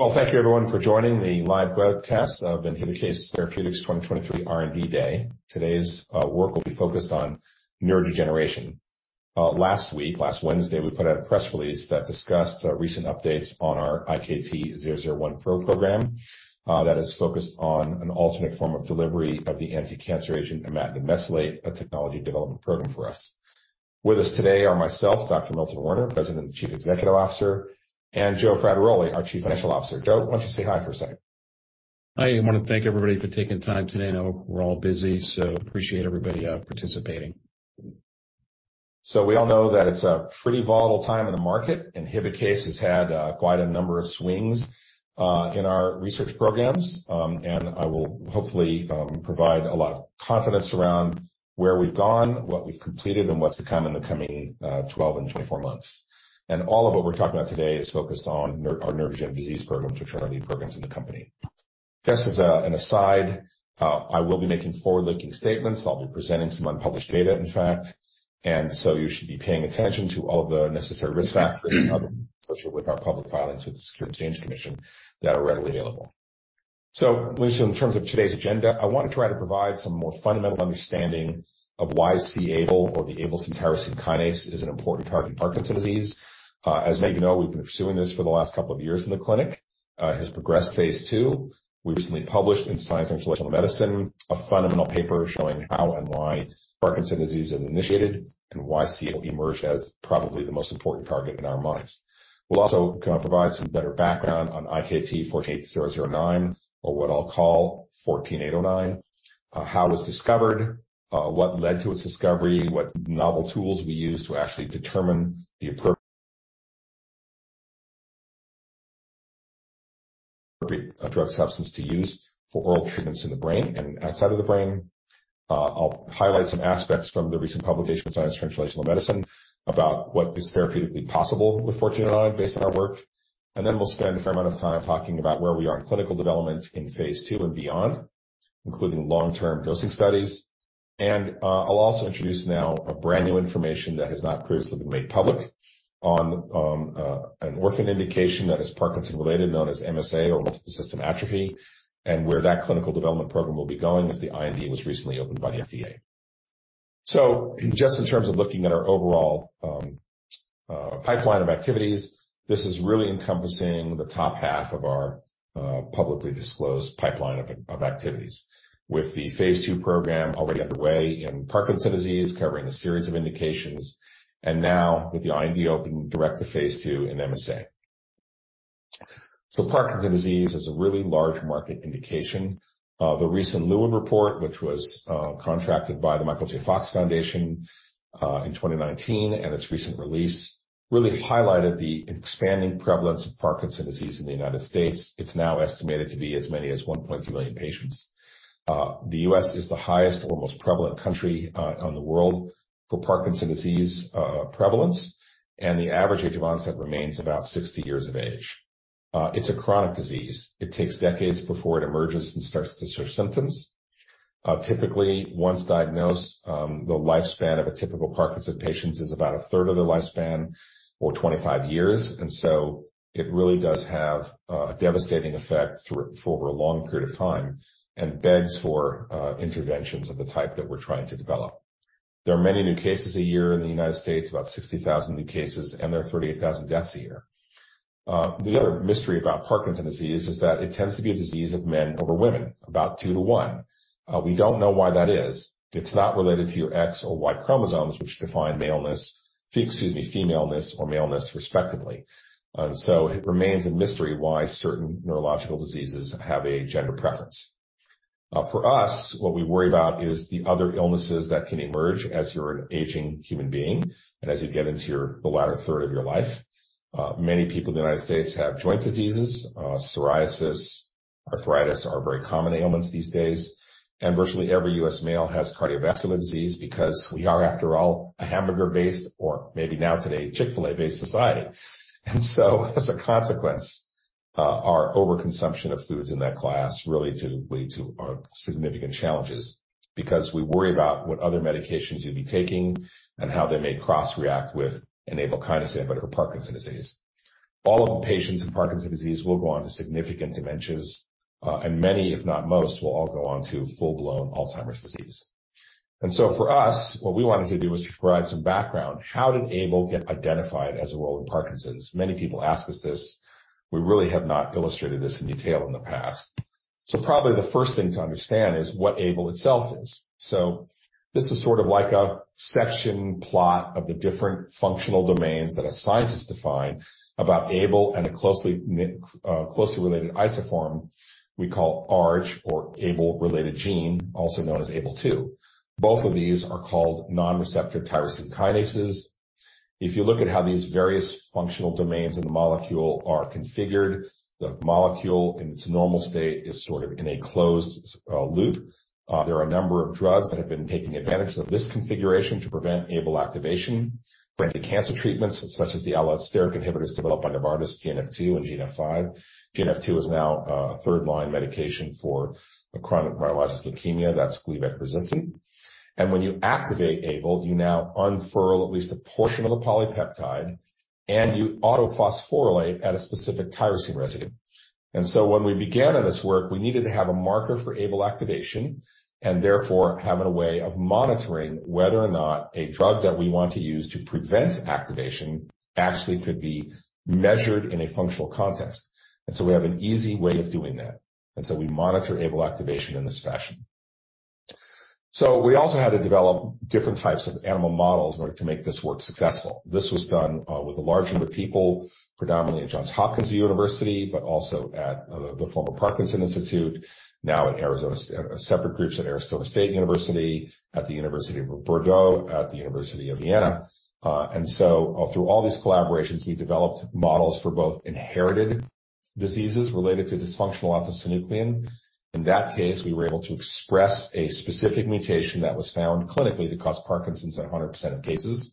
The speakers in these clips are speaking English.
Well, thank you everyone for joining the live webcast of Inhibikase Therapeutics 2023 R&D Day. Today's work will be focused on neurodegeneration. Last week, last Wednesday, we put out a press release that discussed recent updates on our IkT-001Pro program that is focused on an alternate form of delivery of the anticancer agent imatinib mesylate, a technology development program for us. With us today are myself, Dr. Milton Werner, President and Chief Executive Officer, and Joe Frattaroli, our Chief Financial Officer. Joe, why don't you say hi for a second? Hi, I wanna thank everybody for taking the time today. I know we're all busy, so appreciate everybody participating. We all know that it's a pretty volatile time in the market. Inhibikase has had quite a number of swings in our research programs. I will hopefully provide a lot of confidence around where we've gone, what we've completed, and what's to come in the coming 12 and 24 months. All of what we're talking about today is focused on our neurogen disease program, which are our new programs in the company. Just as an aside, I will be making forward-looking statements. I'll be presenting some unpublished data, in fact, you should be paying attention to all the necessary risk factors associated with our public filings with the Securities and Exchange Commission that are readily available. At least in terms of today's agenda, I want to try to provide some more fundamental understanding of why c-Abl, or the Abelson tyrosine kinase, is an important target in Parkinson's disease. As many of you know, we've been pursuing this for the last couple of years in the clinic. It has progressed to Phase II. We recently published in Science Translational Medicine a fundamental paper showing how and why Parkinson's disease is initiated and why c-Abl will emerge as probably the most important target in our minds. We'll also kind of provide some better background on IkT-148009, or what I'll call 14809. How it was discovered, what led to its discovery, what novel tools we use to actually determine the drug substance to use for oral treatments in the brain and outside of the brain. I'll highlight some aspects from the recent publication in Science Translational Medicine about what is therapeutically possible with 148009 based on our work. We'll spend a fair amount of time talking about where we are in clinical development in Phase II and beyond, including long-term dosing studies. I'll also introduce now a brand-new information that has not previously been made public on an orphan indication that is Parkinson-related, known as MSA or multiple system atrophy, and where that clinical development program will be going as the IND was recently opened by the FDA. Just in terms of looking at our overall pipeline of activities, this is really encompassing the top half of our publicly disclosed pipeline of activities. The Phase II program already underway in Parkinson's disease, covering a series of indications, and now with the IND open direct to Phase II in MSA. Parkinson's disease is a really large market indication. The recent Lewin Group report, which was contracted by The Michael J. Fox Foundation for Parkinson's Research in 2019, and its recent release really highlighted the expanding prevalence of Parkinson's disease in the United States. It's now estimated to be as many as 1.2 million patients. The U.S. is the highest or most prevalent country in the world for Parkinson's disease prevalence, and the average age of onset remains about 60 years of age. It's a chronic disease. It takes decades before it emerges and starts to show symptoms. Typically, once diagnosed, the lifespan of a typical Parkinson's patient is about a third of their lifespan or 25 years. It really does have a devastating effect for over a long period of time and begs for interventions of the type that we're trying to develop. There are many new cases a year in the United States, about 60,000 new cases, and there are 38,000 deaths a year. The other mystery about Parkinson's disease is that it tends to be a disease of men over women, about two to one. We don't know why that is. It's not related to your X or Y chromosomes, which define maleness, femaleness or maleness, respectively. It remains a mystery why certain neurological diseases have a gender preference. For us, what we worry about is the other illnesses that can emerge as you're an aging human being and as you get into your, the latter third of your life. Many people in the United States have joint diseases. Psoriasis, arthritis are very common ailments these days. Virtually every US male has cardiovascular disease because we are, after all, a hamburger-based or maybe now today, Chick-fil-A-based society. As a consequence, our overconsumption of foods in that class really do lead to significant challenges because we worry about what other medications you'll be taking and how they may cross-react with an Abl kinase inhibitor for Parkinson's disease. All of the patients with Parkinson's disease will go on to significant dementias, and many, if not most, will all go on to full-blown Alzheimer's disease. For us, what we wanted to do was to provide some background. How did Abl get identified as a role in Parkinson's? Many people ask us this. We really have not illustrated this in detail in the past. Probably the first thing to understand is what Abl itself is. This is sort of like a section plot of the different functional domains that a scientist defined about Abl and a closely related isoform we call Arg or Abl-related gene, also known as ABL2. Both of these are called non-receptor tyrosine kinases. If you look at how these various functional domains in the molecule are configured, the molecule in its normal state is sort of in a closed loop. There are a number of drugs that have been taking advantage of this configuration to prevent Abl activation. For instance, cancer treatments such as the allosteric inhibitors developed by Novartis, GNF-2 and GNF-5. GNF-2 is now a third-line medication for chronic myelogenous leukemia that's Gleevec resistant. When you activate Abl, you now unfurl at least a portion of the polypeptide. You autophosphorylate at a specific tyrosine residue. When we began in this work, we needed to have a marker for Abl activation and therefore having a way of monitoring whether or not a drug that we want to use to prevent activation actually could be measured in a functional context. We have an easy way of doing that. We monitor Abl activation in this fashion. We also had to develop different types of animal models in order to make this work successful. This was done with a large number of people, predominantly at Johns Hopkins University, but also at the former Parkinson's Institute, now in separate groups at Arizona State University, at the University of Bordeaux, at the University of Vienna. Through all these collaborations, we developed models for both inherited diseases related to dysfunctional alpha-synuclein. In that case, we were able to express a specific mutation that was found clinically to cause Parkinson's at 100% of cases.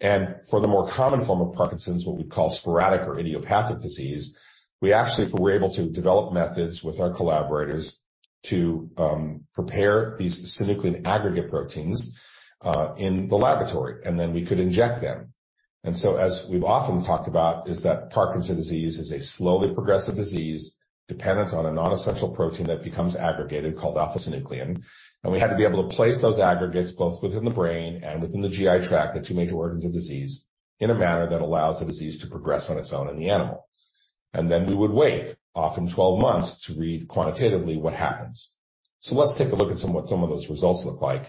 For the more common form of Parkinson's, what we call sporadic or idiopathic disease, we actually were able to develop methods with our collaborators to prepare these synuclein aggregate proteins in the laboratory, and then we could inject them. As we've often talked about, is that Parkinson's disease is a slowly progressive disease dependent on a non-essential protein that becomes aggregated, called alpha-synuclein. We had to be able to place those aggregates both within the brain and within the GI tract, the two major organs of disease, in a manner that allows the disease to progress on its own in the animal. Then we would wait, often 12 months, to read quantitatively what happens. Let's take a look at some, what some of those results look like.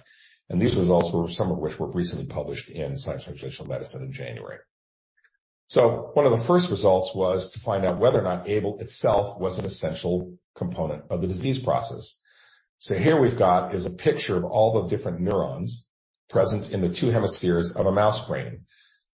These results were some of which were recently published in Science Translational Medicine in January. One of the first results was to find out whether or not c-Abl itself was an essential component of the disease process. Here we've got is a picture of all the different neurons present in the two hemispheres of a mouse brain.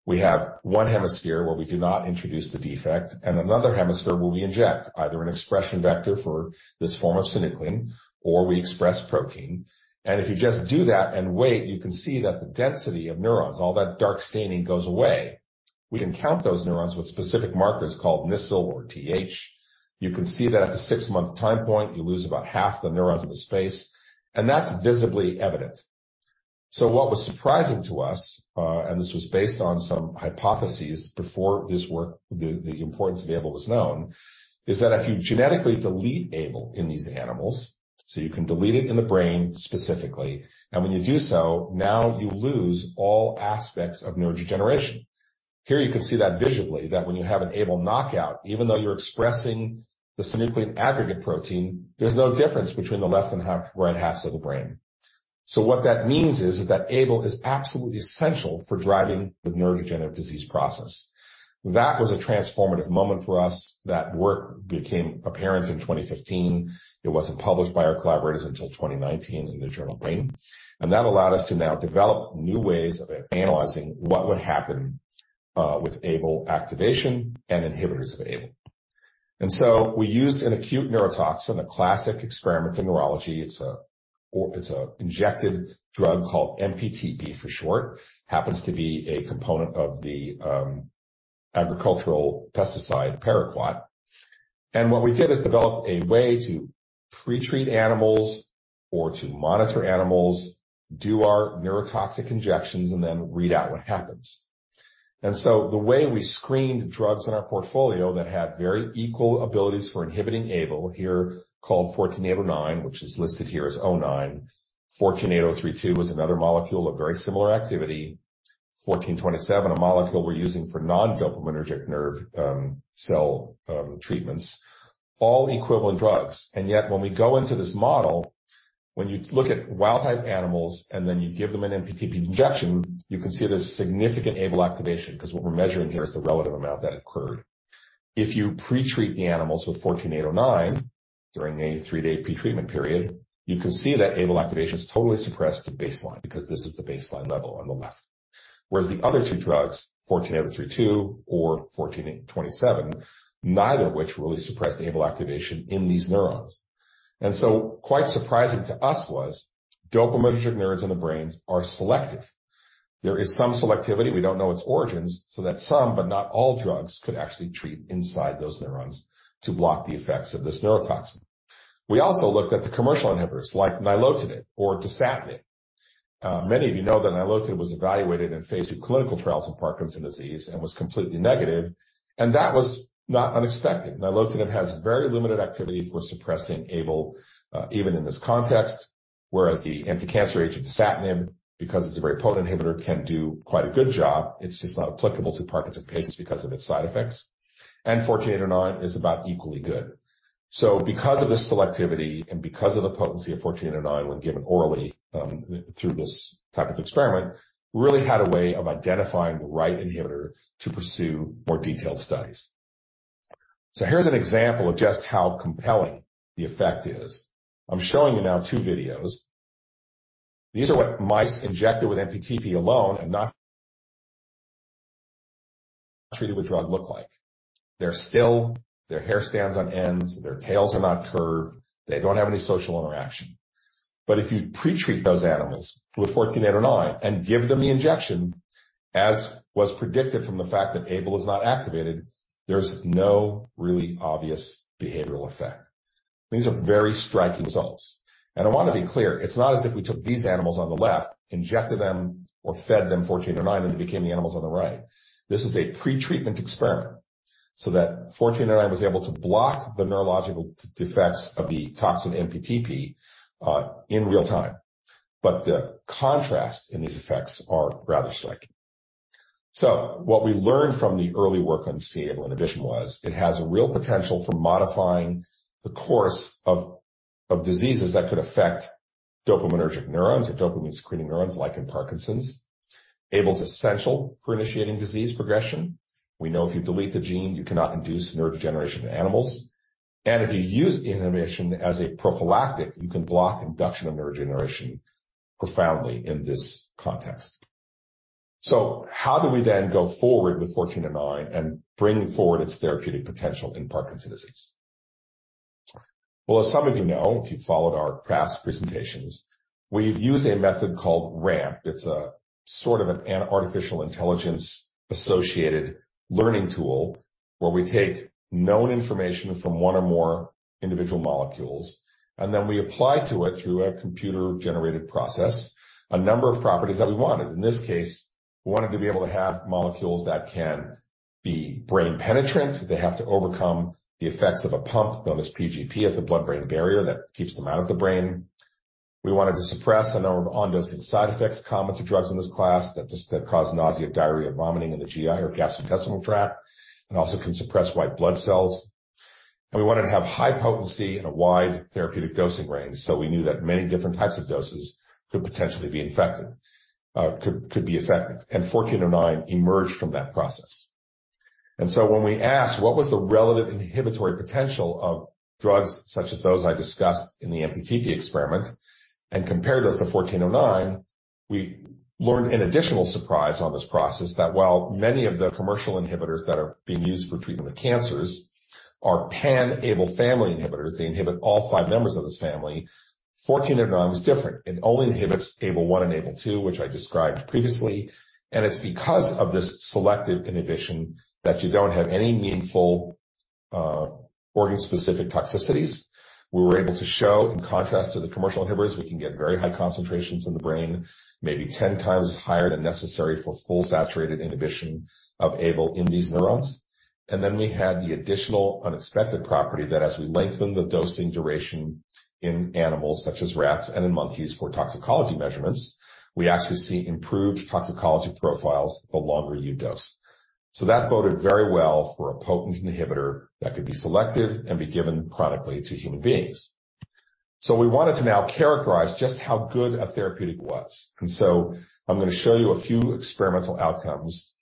We have one hemisphere where we do not introduce the defect and another hemisphere where we inject either an expression vector for this form of synuclein or we express protein. If you just do that and wait, you can see that the density of neurons, all that dark staining goes away. We can count those neurons with specific markers called Nissl or TH. You can see that at the six-month time point, you lose about half the neurons in the space, and that's visibly evident. What was surprising to us, and this was based on some hypotheses before this work, the importance of c-Abl was known, is that if you genetically delete c-Abl in these animals, you can delete it in the brain specifically. When you do so, now you lose all aspects of neurodegeneration. Here you can see that visually, that when you have an Abl knockout, even though you're expressing the synuclein aggregate protein, there's no difference between the left and right halves of the brain. What that means is that Abl is absolutely essential for driving the neurodegenerative disease process. That was a transformative moment for us. That work became apparent in 2015. It wasn't published by our collaborators until 2019 in the journal Brain. That allowed us to now develop new ways of analyzing what would happen with Abl activation and inhibitors of Abl. We used an acute neurotoxin, a classic experiment in neurology. It's an injected drug called MPTP for short. Happens to be a component of the agricultural pesticide paraquat. What we did is developed a way to pre-treat animals or to monitor animals, do our neurotoxic injections, and then read out what happens. The way we screened drugs in our portfolio that had very equal abilities for inhibiting c-Abl, here called 148009, which is listed here as 09. 148027 was another molecule of very similar activity. 1427, a molecule we're using for non-dopaminergic nerve, cell, treatments, all equivalent drugs. Yet, when we go into this model, when you look at wild-type animals and then you give them an MPTP injection, you can see there's significant c-Abl activation because what we're measuring here is the relative amount that occurred. If you pre-treat the animals with 1489 during a three-day pre-treatment period, you can see that Abl activation is totally suppressed to baseline because this is the baseline level on the left. Whereas the other two drugs, 14832 or 14827, neither of which really suppressed Abl activation in these neurons. Quite surprising to us was dopaminergic neurons in the brains are selective. There is some selectivity, we don't know its origins, so that some, but not all drugs could actually treat inside those neurons to block the effects of this neurotoxin. We also looked at the commercial inhibitors like nilotinib or dasatinib. Many of you know that nilotinib was evaluated in phase II clinical trials of Parkinson's disease and was completely negative. That was not unexpected. Nilotinib has very limited activity for suppressing Abl, even in this context. Whereas the anticancer agent dasatinib, because it's a very potent inhibitor, can do quite a good job. It's just not applicable to Parkinson's patients because of its side effects. 148009 is about equally good. Because of the selectivity and because of the potency of 148009 when given orally, through this type of experiment, really had a way of identifying the right inhibitor to pursue more detailed studies. Here's an example of just how compelling the effect is. I'm showing you now two videos. These are what mice injected with MPTP alone and not treated with drug look like. They're still. Their hair stands on ends. Their tails are not curved. They don't have any social interaction. If you pre-treat those animals with 1489 and give them the injection, as was predicted from the fact that Abl is not activated, there's no really obvious behavioral effect. These are very striking results. I want to be clear, it's not as if we took these animals on the left, injected them or fed them 1409, and they became the animals on the right. This is a pretreatment experiment. That 1409 was able to block the neurological effects of the toxin MPTP in real time. The contrast in these effects are rather striking. What we learned from the early work on c-Abl inhibition was it has a real potential for modifying the course of diseases that could affect dopaminergic neurons or dopamine-secreting neurons, like in Parkinson's. Abl is essential for initiating disease progression. We know if you delete the gene, you cannot induce neurodegeneration in animals. If you use inhibition as a prophylactic, you can block induction of neurodegeneration profoundly in this context. How do we then go forward with 1409 and bring forward its therapeutic potential in Parkinson's disease? As some of you know, if you've followed our past presentations, we've used a method called RAMP. It's a sort of an artificial intelligence-associated learning tool where we take known information from one or more individual molecules, and then we apply to it, through a computer-generated process, a number of properties that we wanted. In this case, we wanted to be able to have molecules that can be brain penetrant. They have to overcome the effects of a pump known as PGP at the blood-brain barrier that keeps them out of the brain. We wanted to suppress a number of on-dosing side effects common to drugs in this class that cause nausea, diarrhea, vomiting in the GI or gastrointestinal tract, and also can suppress white blood cells. We wanted to have high potency and a wide therapeutic dosing range, so we knew that many different types of doses could potentially be effective. 1409 emerged from that process. When we asked what was the relative inhibitory potential of drugs such as those I discussed in the MPTP experiment and compared those to 1409, we learned an additional surprise on this process that while many of the commercial inhibitors that are being used for treatment of cancers are pan-Abl family inhibitors, they inhibit all 5 members of this family. 1409 was different. It only inhibits ABL1 and ABL2, which I described previously. It's because of this selective inhibition that you don't have any meaningful, organ-specific toxicities. We were able to show, in contrast to the commercial inhibitors, we can get very high concentrations in the brain, maybe 10 times higher than necessary for full saturated inhibition of c-Abl in these neurons. We had the additional unexpected property that as we lengthen the dosing duration in animals such as rats and in monkeys for toxicology measurements, we actually see improved toxicology profiles the longer you dose. That boded very well for a potent inhibitor that could be selective and be given chronically to human beings. We wanted to now characterize just how good a therapeutic was. I'm going to show you a few experimental outcomes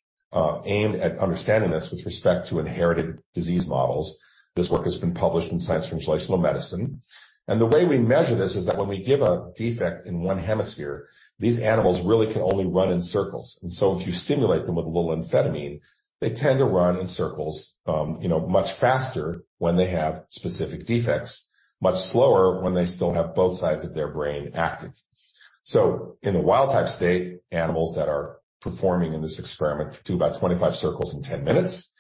aimed at understanding this with respect to inherited disease models. This work has been published in Science Translational Medicine. The way we measure this is that when we give a defect in one hemisphere, these animals really can only run in circles. If you stimulate them with a little amphetamine, they tend to run in circles, you know, much faster when they have specific defects, much slower when they still have both sides of their brain active. In the wild-type state, animals that are performing in this experiment do about 25 circles in 10 minutes.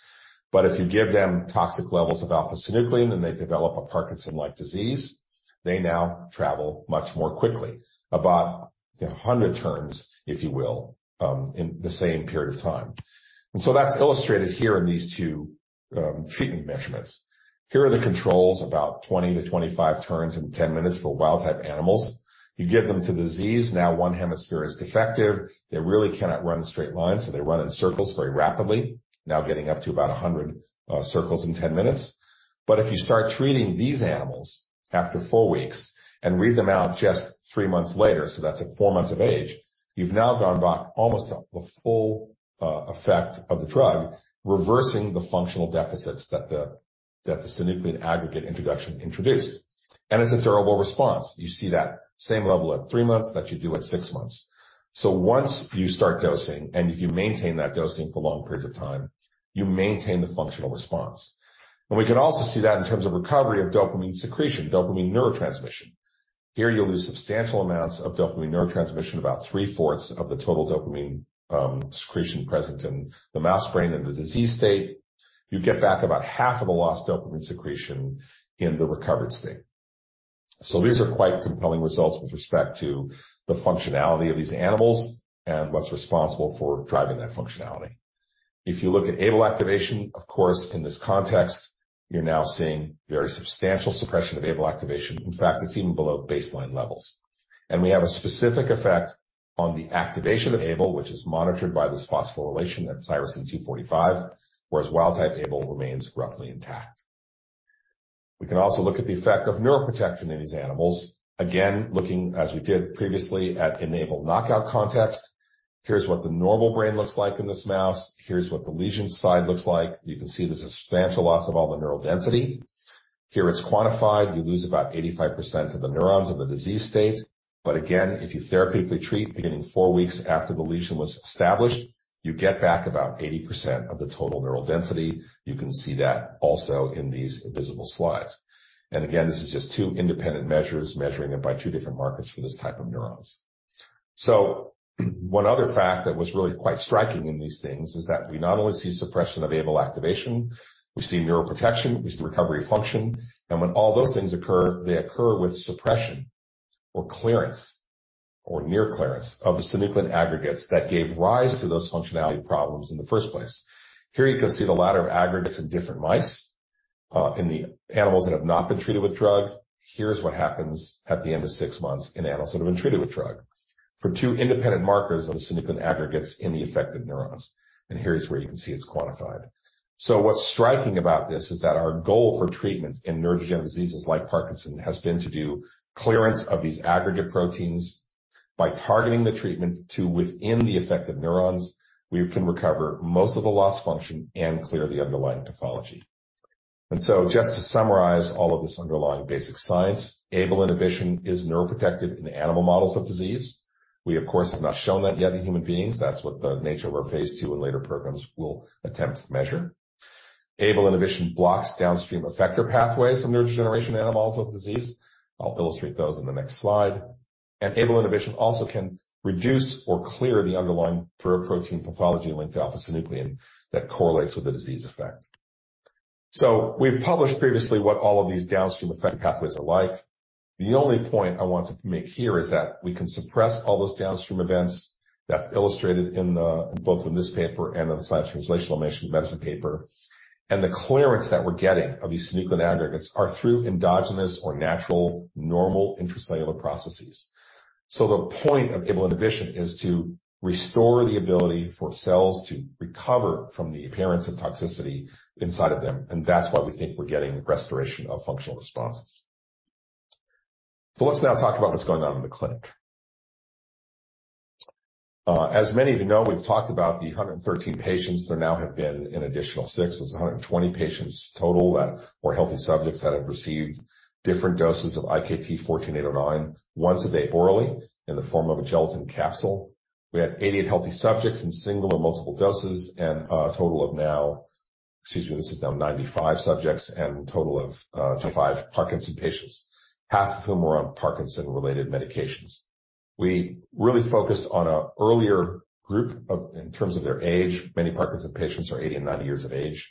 If you give them toxic levels of alpha-synuclein, and they develop a Parkinson-like disease, they now travel much more quickly, about 100 turns, if you will, in the same period of time. That's illustrated here in these two treatment measurements. Here are the controls, about 20 to 25 turns in 10 minutes for wild-type animals. You give them to the disease. Now 1 hemisphere is defective. They really cannot run straight lines, so they run in circles very rapidly. Now getting up to about 100 circles in 10 minutes. If you start treating these animals after four weeks and read them out just three months later, so that's at four months of age, you've now gone back almost to the full effect of the drug, reversing the functional deficits that the synuclein aggregate introduction introduced. It's a durable response. You see that same level at three months that you do at 6 months. Once you start dosing, and if you maintain that dosing for long periods of time, you maintain the functional response. We can also see that in terms of recovery of dopamine secretion, dopamine neurotransmission. Here you lose substantial amounts of dopamine neurotransmission, about 3/4 of the total dopamine secretion present in the mouse brain in the disease state. You get back about half of the lost dopamine secretion in the recovered state. These are quite compelling results with respect to the functionality of these animals and what's responsible for driving that functionality. If you look at Abl activation, of course, in this context, you're now seeing very substantial suppression of Abl activation. In fact, it's even below baseline levels. We have a specific effect on the activation of Abl, which is monitored by this phosphorylation at tyrosine 245, whereas wild-type Abl remains roughly intact. We can also look at the effect of neuroprotection in these animals. Again, looking as we did previously at a c-Abl knockout context. Here's what the normal brain looks like in this mouse. Here's what the lesion side looks like. You can see there's a substantial loss of all the neural density. Here it's quantified. You lose about 85% of the neurons in the disease state. Again, if you therapeutically treat beginning four weeks after the lesion was established, you get back about 80% of the total neural density. You can see that also in these visible slides. Again, this is just two independent measures measuring them by two different markers for this type of neurons. One other fact that was really quite striking in these things is that we not only see suppression of c-Abl activation, we see neuroprotection, we see recovery function. When all those things occur, they occur with suppression or clearance or near clearance of the synuclein aggregates that gave rise to those functionality problems in the first place. Here you can see the latter aggregates in different mice, in the animals that have not been treated with drug. Here's what happens at the end of 6 months in animals that have been treated with drug for two independent markers of synuclein aggregates in the affected neurons. Here's where you can see it's quantified. What's striking about this is that our goal for treatment in neurodegenerative diseases like Parkinson's has been to do clearance of these aggregate proteins. By targeting the treatment to within the affected neurons, we can recover most of the lost function and clear the underlying pathology. Just to summarize all of this underlying basic science, Abl inhibition is neuroprotective in animal models of disease. We, of course, have not shown that yet in human beings. That's what the nature of our Phase II and later programs will attempt to measure. Abl inhibition blocks downstream effector pathways in neurodegeneration animals with disease. I'll illustrate those in the next slide. Abl inhibition also can reduce or clear the underlying pre-protein pathology linked to alpha-synuclein that correlates with the disease effect. We've published previously what all of these downstream effect pathways are like. The only point I want to make here is that we can suppress all those downstream events that's illustrated in both this paper and in the Science Translational Medicine paper. The clearance that we're getting of these synuclein aggregates are through endogenous or natural normal intracellular processes. The point of Abl inhibition is to restore the ability for cells to recover from the appearance of toxicity inside of them, and that's why we think we're getting restoration of functional responses. As many of you know, we've talked about the 113 patients. There now have been an additional 6. It's 120 patients total that were healthy subjects that have received different doses of IkT-148009 once a day orally in the form of a gelatin capsule. We had 88 healthy subjects in single or multiple doses and a total of now, excuse me, this is now 95 subjects and a total of 25 Parkinson's patients, half of whom were on Parkinson-related medications. We really focused on a earlier group in terms of their age. Many Parkinson's patients are 80 and 90 years of age.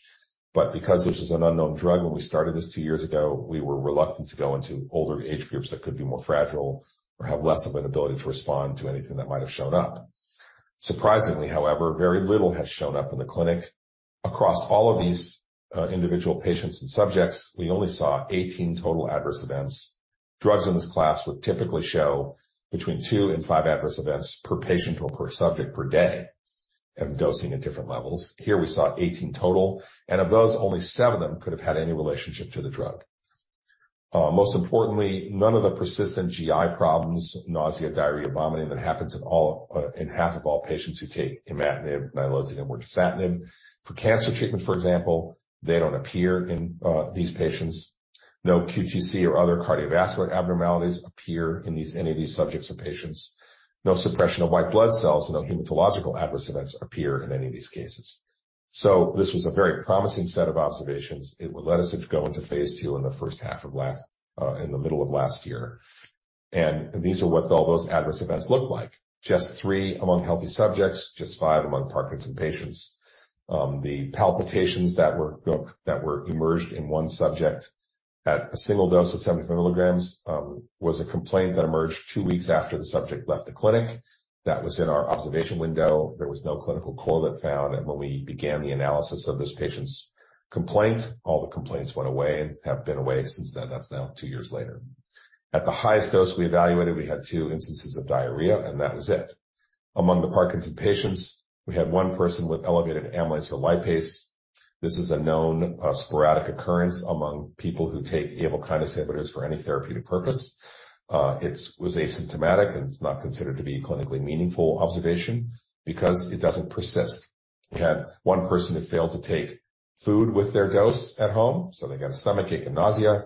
Because this is an unknown drug, when we started this two years ago, we were reluctant to go into older age groups that could be more fragile or have less of an ability to respond to anything that might have shown up. Surprisingly, however, very little has shown up in the clinic. Across all of these, individual patients and subjects, we only saw 18 total adverse events. Drugs in this class would typically show between two and five adverse events per patient or per subject per day of dosing at different levels. Here we saw 18 total, and of those, only seven of them could have had any relationship to the drug. Most importantly, none of the persistent GI problems, nausea, diarrhea, vomiting, that happens in all, in half of all patients who take imatinib, nilotinib, or dasatinib. For cancer treatment, for example, they don't appear in these patients. No QTC or other cardiovascular abnormalities appear in these, any of these subjects or patients. No suppression of white blood cells, no hematological adverse events appear in any of these cases. This was a very promising set of observations. It would let us go into Phase II in the middle of last year. These are what all those adverse events look like. Just three among healthy subjects, just five among Parkinson's patients. The palpitations that were emerged in one subject at a single dose of 75 milligrams was a complaint that emerged two weeks after the subject left the clinic. That was in our observation window. There was no clinical core that found. When we began the analysis of this patient's complaint, all the complaints went away and have been away since then. That's now two years later. At the highest dose we evaluated, we had two instances of diarrhea, and that was it. Among the Parkinson's patients, we had one person with elevated amylase or lipase. This is a known sporadic occurrence among people who take Abl kinase inhibitors for any therapeutic purpose. It was asymptomatic, and it's not considered to be clinically meaningful observation because it doesn't persist. We had one person who failed to take food with their dose at home, so they got a stomachache and nausea.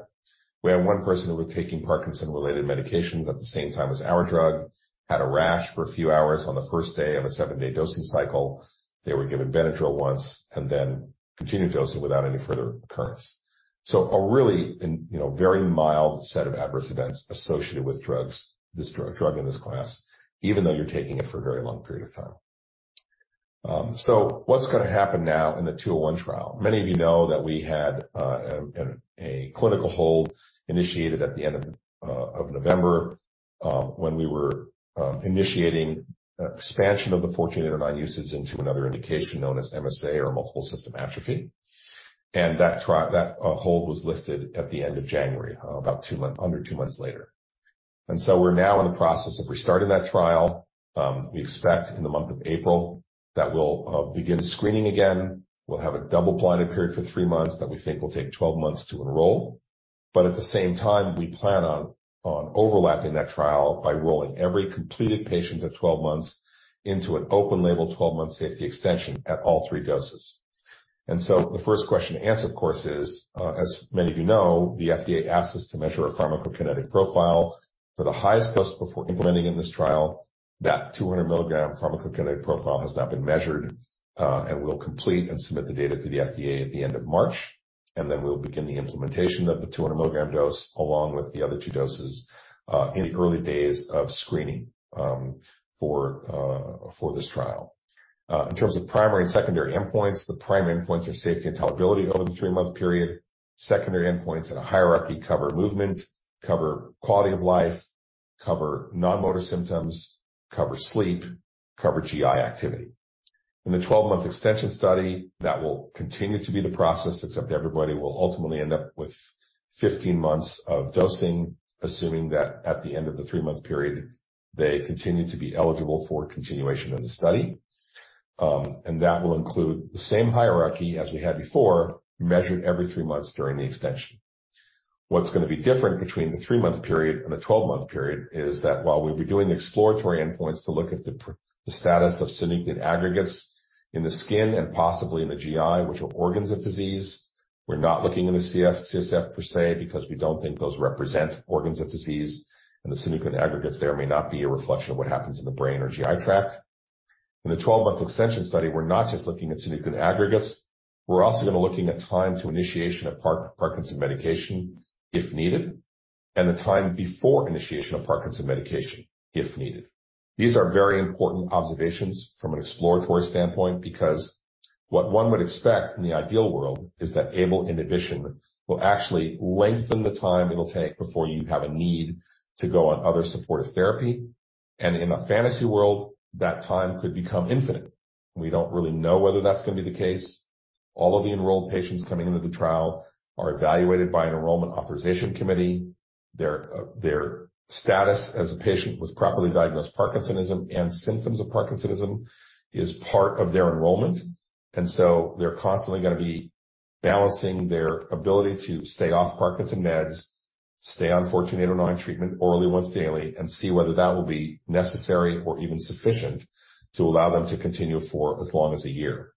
We had one person who was taking Parkinson's-related medications at the same time as our drug, had a rash for a few hours on the first day of a seven days dosing cycle. They were given BENADRYL once and then continued dosing without any further occurrence. A really, you know, very mild set of adverse events associated with drugs, this drug in this class, even though you're taking it for a very long period of time. What's gonna happen now in the 201 trial? Many of you know that we had a clinical hold initiated at the end of November, when we were initiating expansion of the 148009 usage into another indication known as MSA or multiple system atrophy. That hold was lifted at the end of January, about under two months later. We're now in the process of restarting that trial. We expect in the month of April that we'll begin screening again. We'll have a double-blinded period for three months that we think will take 12 months to enroll. At the same time, we plan on overlapping that trial by rolling every completed patient at 12 months into an open label 12-month safety extension at all three doses. The first question to answer, of course, is, as many of you know, the FDA asked us to measure a pharmacokinetic profile for the highest dose before implementing in this trial. That 200 milligram pharmacokinetic profile has now been measured, and we'll complete and submit the data to the FDA at the end of March. We'll begin the implementation of the 200 milligram dose, along with the other two doses, in the early days of screening, for this trial. In terms of primary and secondary endpoints, the primary endpoints are safety and tolerability over the three months period. Secondary endpoints in a hierarchy cover movement, cover quality of life, cover non-motor symptoms, cover sleep, cover GI activity. In the 12-month extension study, that will continue to be the process, except everybody will ultimately end up with 15 months of dosing, assuming that at the end of the three months period, they continue to be eligible for continuation of the study. That will include the same hierarchy as we had before, measured every 3 months during the extension. What's gonna be different between the three months period and the 12-month period is that while we'll be doing exploratory endpoints to look at the status of synuclein aggregates in the skin and possibly in the GI, which are organs of disease, we're not looking in the CSF per se, because we don't think those represent organs of disease. The synuclein aggregates there may not be a reflection of what happens in the brain or GI tract. In the 12-month extension study, we're not just looking at synuclein aggregates. We're also gonna looking at time to initiation of Parkinson's medication if needed, and the time before initiation of Parkinson's medication if needed. These are very important observations from an exploratory standpoint because what one would expect in the ideal world is that c-Abl in addition will actually lengthen the time it'll take before you have a need to go on other supportive therapy. In a fantasy world, that time could become infinite. We don't really know whether that's gonna be the case. All of the enrolled patients coming into the trial are evaluated by an enrollment authorization committee. Their status as a patient with properly diagnosed Parkinsonism and symptoms of Parkinsonism is part of their enrollment. They're constantly going to be balancing their ability to stay off Parkinson's meds, stay on IkT-148009 treatment orally once daily, and see whether that will be necessary or even sufficient to allow them to continue for as long as a year.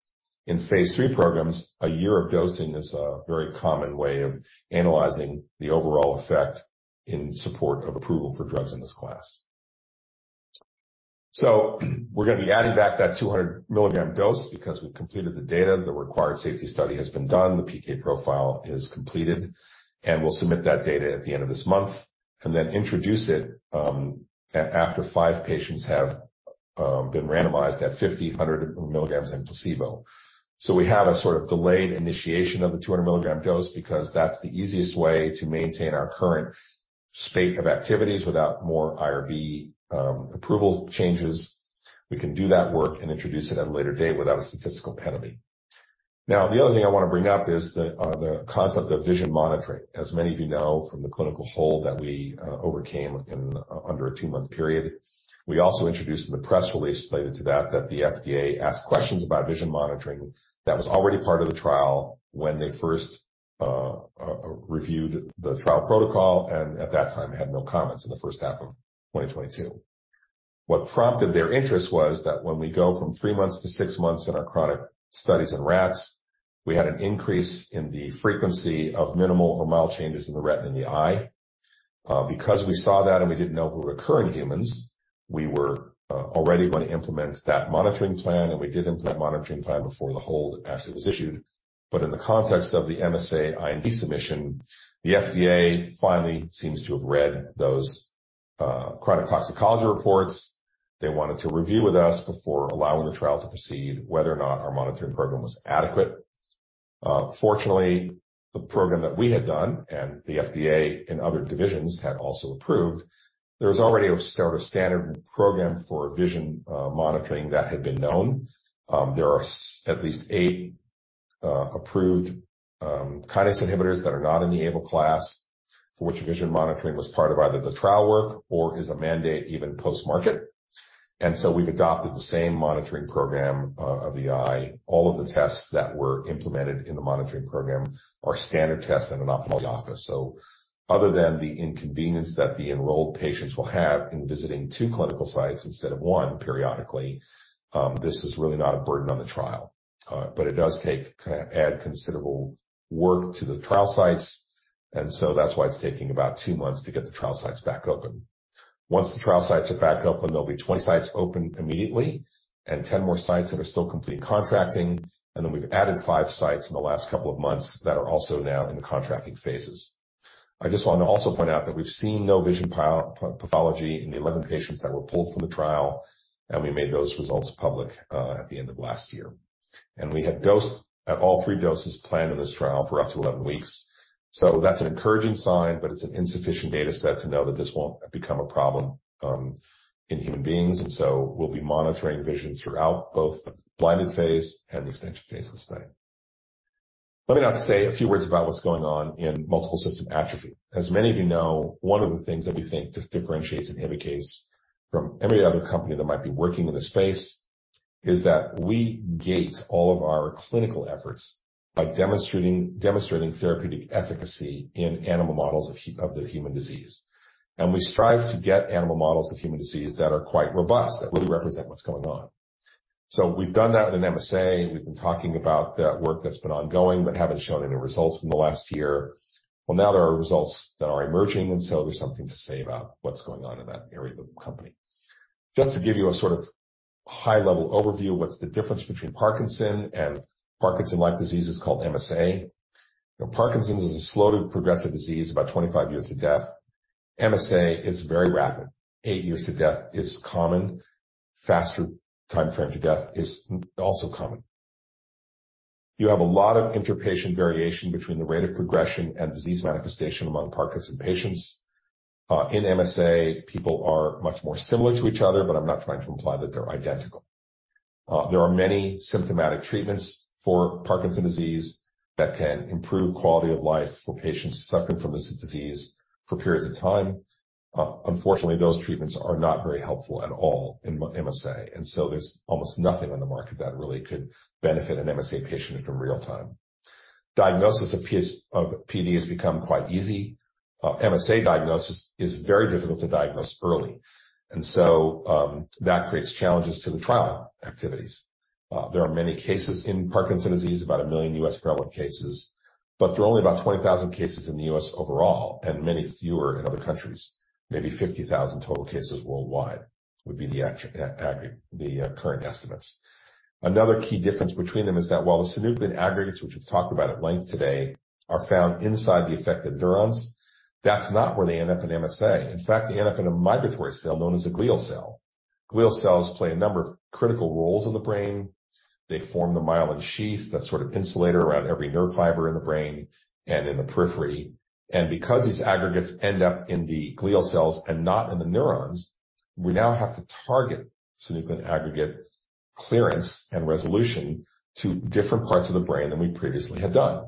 In Phase III programs, a year of dosing is a very common way of analyzing the overall effect in support of approval for drugs in this class. We're going to be adding back that 200 milligram dose because we've completed the data. The required safety study has been done. The PK profile is completed, and we'll submit that data at the end of this month and then introduce it after 5 patients have been randomized at 1,500 milligrams in placebo. We have a sort of delayed initiation of the 200 milligram dose because that's the easiest way to maintain our current state of activities without more IRB approval changes. We can do that work and introduce it at a later date without a statistical penalty. The other thing I want to bring up is the concept of vision monitoring. As many of you know from the clinical hold that we overcame in under a two months period. We also introduced in the press release related to that the FDA asked questions about vision monitoring that was already part of the trial when they first reviewed the trial protocol and at that time had no comments in the first half of 2022. What prompted their interest was that when we go from three months to six months in our chronic studies in rats, we had an increase in the frequency of minimal or mild changes in the retina in the eye. Because we saw that and we didn't know if it would occur in humans, we were already going to implement that monitoring plan, and we did implement monitoring plan before the hold actually was issued. In the context of the MSA IND submission, the FDA finally seems to have read those chronic toxicology reports. They wanted to review with us before allowing the trial to proceed whether or not our monitoring program was adequate. Fortunately, the program that we had done and the FDA and other divisions had also approved, there was already a sort of standard program for vision monitoring that had been known. There are at least eight approved kinase inhibitors that are not in the Abl class for which vision monitoring was part of either the trial work or is a mandate even post-market. We've adopted the same monitoring program of the eye. All of the tests that were implemented in the monitoring program are standard tests in an ophthalmology office. Other than the inconvenience that the enrolled patients will have in visiting two clinical sites instead of one periodically, this is really not a burden on the trial. It does add considerable work to the trial sites. That's why it's taking about two months to get the trial sites back open. Once the trial sites are back open, there'll be 20 sites open immediately and 10 more sites that are still completing contracting. We've added five sites in the last couple of months that are also now in the contracting phases. I just want to also point out that we've seen no vision pathology in the 11 patients that were pulled from the trial, and we made those results public at the end of last year. We had dosed at all three doses planned in this trial for up to 11 weeks. That's an encouraging sign, but it's an insufficient data set to know that this won't become a problem in human beings. We'll be monitoring vision throughout both the blinded phase and the extension phase of the study. Let me now say a few words about what's going on in multiple system atrophy. As many of you know, one of the things that we think differentiates Inhibikase from every other company that might be working in this space is that we gate all of our clinical efforts by demonstrating therapeutic efficacy in animal models of the human disease. We strive to get animal models of human disease that are quite robust, that really represent what's going on. We've done that in an MSA. We've been talking about that work that's been ongoing, haven't shown any results from the last year. Well, now there are results that are emerging, there's something to say about what's going on in that area of the company. Just to give you a sort of high-level overview, what's the difference between Parkinson's and Parkinson's-like disease is called MSA? Parkinson's is a slow to progressive disease, about 25 years to death. MSA is very rapid. Eight years to death is common. Faster timeframe to death is also common. You have a lot of interpatient variation between the rate of progression and disease manifestation among Parkinson's patients. In MSA, people are much more similar to each other, but I'm not trying to imply that they're identical. There are many symptomatic treatments for Parkinson's disease that can improve quality of life for patients suffering from this disease for periods of time. Unfortunately, those treatments are not very helpful at all in MSA, and so there's almost nothing on the market that really could benefit an MSA patient in real time. Diagnosis of PD has become quite easy. MSA diagnosis is very difficult to diagnose early. That creates challenges to the trial activities. There are many cases in Parkinson's disease, about one million U.S. prevalent cases. There are only about 20,000 cases in the U.S. overall. Many fewer in other countries. Maybe 50,000 total cases worldwide would be the current estimates. Another key difference between them is that while the synuclein aggregates, which we've talked about at length today, are found inside the affected neurons, that's not where they end up in MSA. In fact, they end up in a migratory cell known as a glial cell. Glial cells play a number of critical roles in the brain. They form the myelin sheath, that sort of insulator around every nerve fiber in the brain and in the periphery. Because these aggregates end up in the glial cells and not in the neurons, we now have to target synuclein aggregate clearance and resolution to different parts of the brain than we previously had done.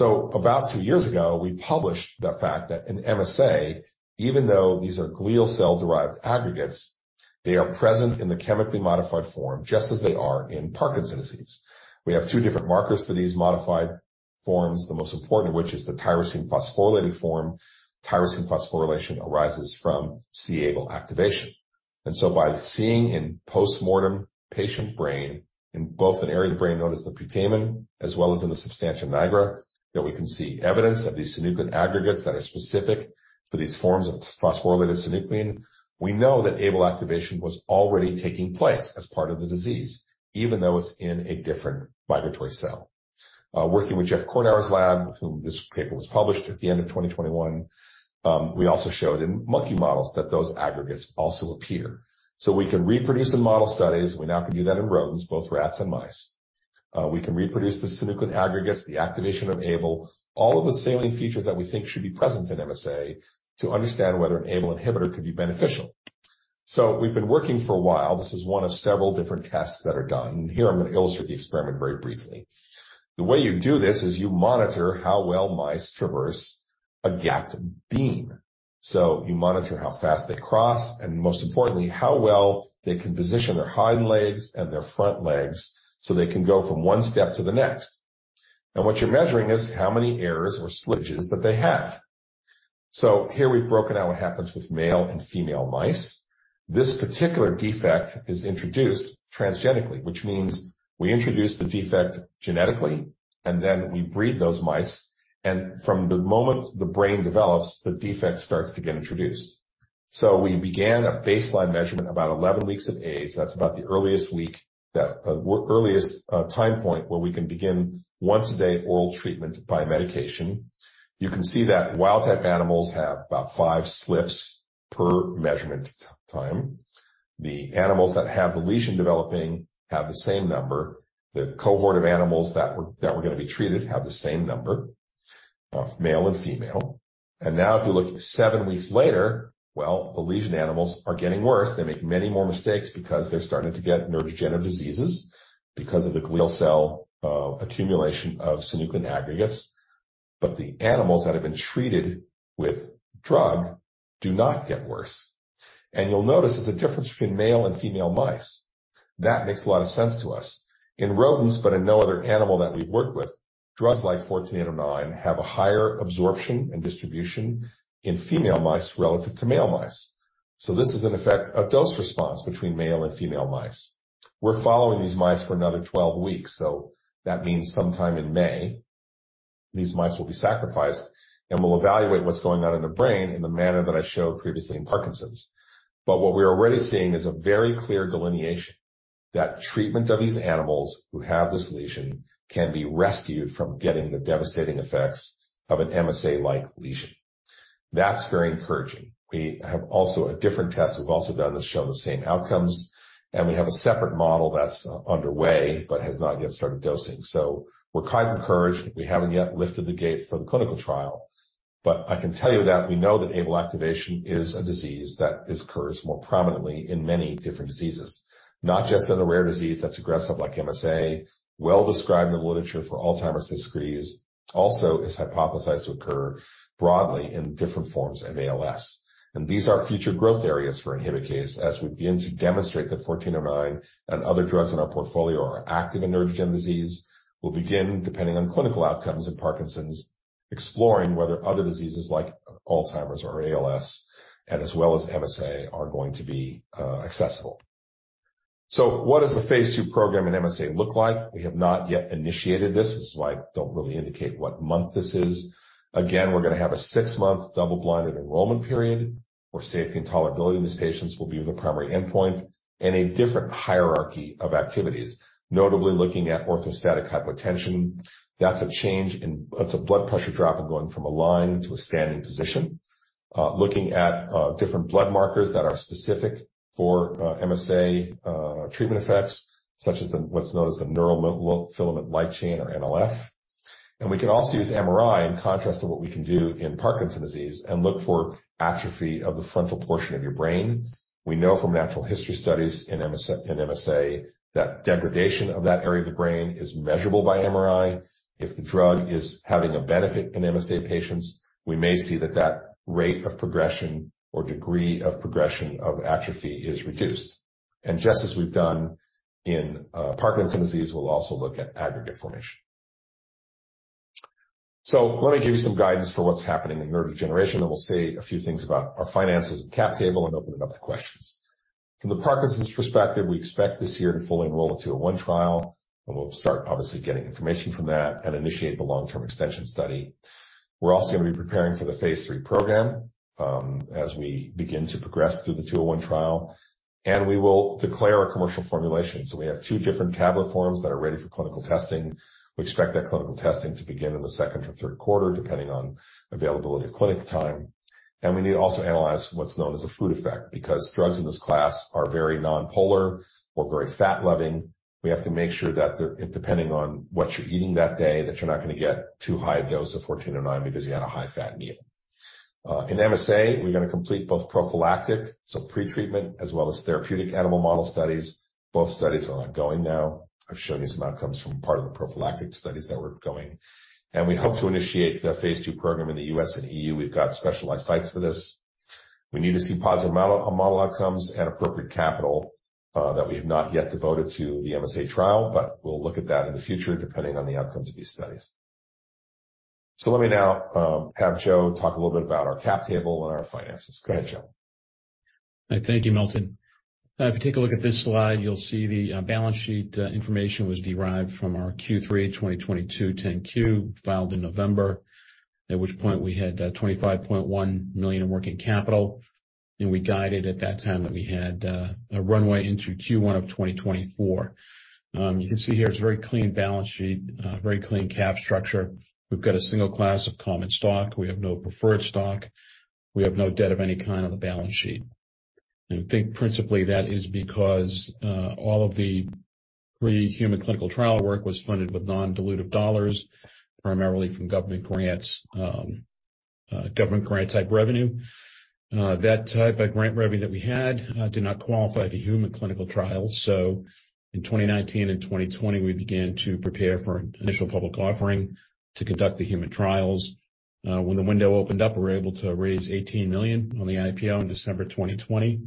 About two years ago, we published the fact that in MSA, even though these are glial cell-derived aggregates, they are present in the chemically modified form, just as they are in Parkinson's disease. We have two different markers for these modified forms, the most important of which is the tyrosine phosphorylated form. Tyrosine phosphorylation arises from c-Abl activation. By seeing in postmortem patient brain, in both an area of the brain known as the putamen, as well as in the substantia nigra, that we can see evidence of these synuclein aggregates that are specific for these forms of phosphorylated synuclein. We know that Abl activation was already taking place as part of the disease, even though it's in a different migratory cell. Working with Jeff Kordower's lab, with whom this paper was published at the end of 2021, we also showed in monkey models that those aggregates also appear. We can reproduce the model studies. We now can do that in rodents, both rats and mice. We can reproduce the synuclein aggregates, the activation of Abl, all of the salient features that we think should be present in MSA to understand whether an Abl inhibitor could be beneficial. We've been working for a while. This is one of several different tests that are done. Here I'm going to illustrate the experiment very briefly. The way you do this is you monitor how well mice traverse a gapped beam. You monitor how fast they cross, and most importantly, how well they can position their hind legs and their front legs, so they can go from one step to the next. What you're measuring is how many errors or slippage that they have. Here we've broken out what happens with male and female mice. This particular defect is introduced transgenically, which means we introduce the defect genetically, and then we breed those mice. From the moment the brain develops, the defect starts to get introduced. We began a baseline measurement about 11 weeks of age. That's about the earliest week that earliest time point where we can begin once-a-day oral treatment by medication. You can see that wild-type animals have about five slips per measurement time. The animals that have the lesion developing have the same number. The cohort of animals that were gonna be treated have the same number of male and female. Now if you look seven weeks later, well, the lesion animals are getting worse. They make many more mistakes because they're starting to get neurodegenerative diseases because of the glial cell accumulation of synuclein aggregates. The animals that have been treated with drug do not get worse. You'll notice there's a difference between male and female mice. That makes a lot of sense to us. In rodents, but in no other animal that we've worked with, drugs like 1409 have a higher absorption and distribution in female mice relative to male mice. This is an effect of dose response between male and female mice. We're following these mice for another 12 weeks. That means sometime in May, these mice will be sacrificed, we'll evaluate what's going on in the brain in the manner that I showed previously in Parkinson's. What we're already seeing is a very clear delineation that treatment of these animals who have this lesion can be rescued from getting the devastating effects of an MSA-like lesion. That's very encouraging. We have also a different test we've also done that's shown the same outcomes, we have a separate model that's underway but has not yet started dosing. We're kind of encouraged. We haven't yet lifted the gate for the clinical trial. I can tell you that we know that Abl activation is a disease that occurs more prominently in many different diseases. Not just in a rare disease that's aggressive like MSA, well-described in the literature for Alzheimer's disease, also is hypothesized to occur broadly in different forms of ALS. These are future growth areas for Inhibikase as we begin to demonstrate that 1409 and other drugs in our portfolio are active in neurodegenerative disease. We'll begin, depending on clinical outcomes in Parkinson's, exploring whether other diseases like Alzheimer's or ALS and as well as MSA are going to be accessible. What does the Phase II program in MSA look like? We have not yet initiated this. This is why I don't really indicate what month this is. Again, we're gonna have a 6-month double-blinded enrollment period, where safety and tolerability in these patients will be the primary endpoint. A different hierarchy of activities, notably looking at orthostatic hypotension. That's a blood pressure drop in going from a lying to a standing position. looking at different blood markers that are specific for MSA treatment effects, such as the, what's known as the neurofilament light chain or NfL. We can also use MRI in contrast to what we can do in Parkinson's disease, and look for atrophy of the frontal portion of your brain. We know from natural history studies in MSA that degradation of that area of the brain is measurable by MRI. If the drug is having a benefit in MSA patients, we may see that that rate of progression or degree of progression of atrophy is reduced. Just as we've done in Parkinson's disease, we'll also look at aggregate formation. Let me give you some guidance for what's happening in nerve regeneration, and we'll say a few things about our finances and cap table, and open it up to questions. From the Parkinson's perspective, we expect this year to fully enroll the 201 trial. We'll start obviously getting information from that and initiate the long-term extension study. We're also going to be preparing for the Phase III program, as we begin to progress through the 201 trial, and we will declare our commercial formulation. We have two different tablet forms that are ready for clinical testing. We expect that clinical testing to begin in the second or third quarter, depending on availability of clinic time. We need to also analyze what's known as a food effect, because drugs in this class are very non-polar or very fat loving. We have to make sure that depending on what you're eating that day, that you're not going to get too high a dose of 1409 because you had a high fat meal. In MSA, we're going to complete both prophylactic, so pre-treatment as well as therapeutic animal model studies. Both studies are ongoing now. I've shown you some outcomes from part of the prophylactic studies that we're going. We hope to initiate the Phase II program in the US and EU. We've got specialized sites for this. We need to see positive model outcomes and appropriate capital that we have not yet devoted to the MSA trial. We'll look at that in the future depending on the outcomes of these studies. Let me now have Joe talk a little bit about our cap table and our finances. Go ahead, Joe. Thank you, Milton. If you take a look at this slide, you'll see the balance sheet information was derived from our Q three of 2022 10-Q filed in November. At which point we had $25.1 million in working capital. We guided at that time that we had a runway into Q one of 2024. You can see here it's a very clean balance sheet, very clean cap structure. We've got a single class of common stock. We have no preferred stock. We have no debt of any kind on the balance sheet. I think principally that is because all of the pre-human clinical trial work was funded with non-dilutive dollars, primarily from government grants, government grant type revenue. That type of grant revenue that we had did not qualify for human clinical trials. In 2019 and 2020, we began to prepare for an initial public offering to conduct the human trials. When the window opened up, we were able to raise $18 million on the IPO in December 2020.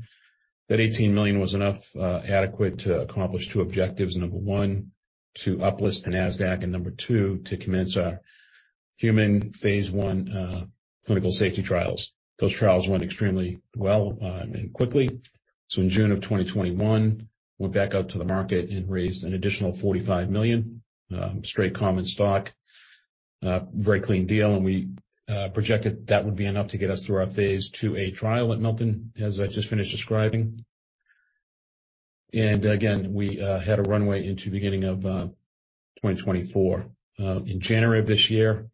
That $18 million was enough, adequate to accomplish two objectives. Number one, to uplist on Nasdaq, and number two, to commence our human Phase I clinical safety trials. Those trials went extremely well and quickly. In June of 2021, went back out to the market and raised an additional $45 million straight common stock. Very clean deal, and we projected that would be enough to get us through our Phase IIa trial that Milton has just finished describing. Again, we had a runway into beginning of 2024. In January of this year,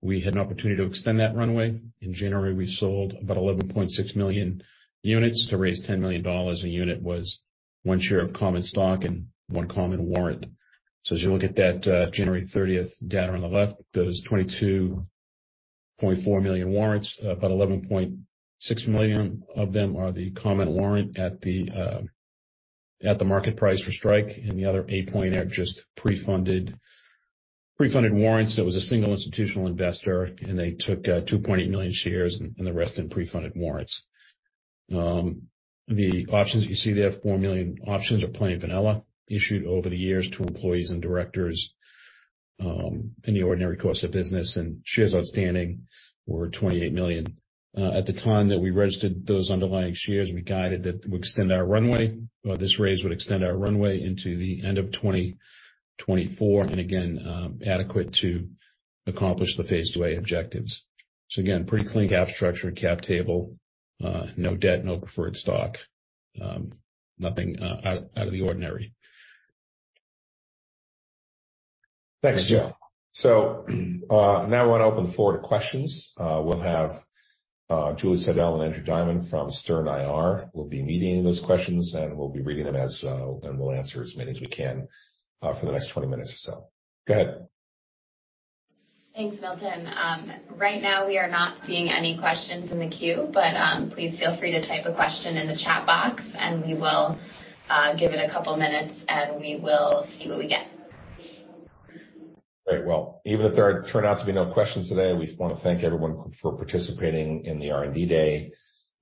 we had an opportunity to extend that runway. In January, we sold about 11.6 million units to raise $10 million. A unit was one share of common stock and one common warrant. As you look at that January 30th data on the left, those 22.4 million warrants, about 11.6 million of them are the common warrant at the market price for strike, and the other 8.8 just pre-funded warrants. That was a single institutional investor, and they took 2.8 million shares, and the rest in pre-funded warrants. The options you see there, four million options are plain vanilla, issued over the years to employees and directors, in the ordinary course of business. Shares outstanding were 28 million. At the time that we registered those underlying shares, we guided that we extend our runway. This raise would extend our runway into the end of 2024, and again, adequate to accomplish the Phase IIa objectives. Again, pretty clean cap structure and cap table. No debt, no preferred stock. Nothing, out of the ordinary. Thanks, Joe. Now I want to open the floor to questions. We'll have Julie Seidel and Andrew Diamond from Stern IR will be meeting those questions, and we'll be reading them and we'll answer as many as we can for the next 20 minutes or so. Go ahead. Thanks, Milton. Right now we are not seeing any questions in the queue, but please feel free to type a question in the chat box, and we will give it a couple minutes, and we will see what we get. Great. Well, even if turn out to be no questions today, we want to thank everyone for participating in the R&D Day.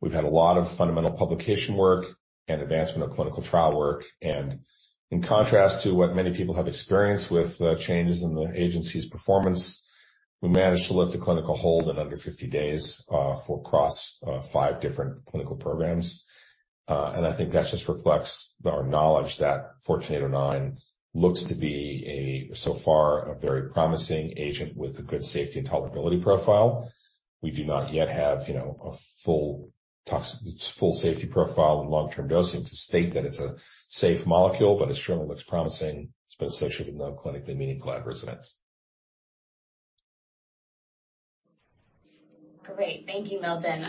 We've had a lot of fundamental publication work and advancement of clinical trial work. In contrast to what many people have experienced with changes in the agency's performance, we managed to lift a clinical hold in under 50 days of cross five different clinical programs. I think that just reflects our knowledge that 1409 looks to be a so far a very promising agent with a good safety and tolerability profile. We do not yet have, you know, a full safety profile and long-term dosing to state that it's a safe molecule, but it certainly looks promising. It's been associated with no clinically meaningful adverse events. Great. Thank you, Milton.